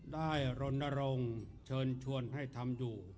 รณรงค์เชิญชวนให้ทำอยู่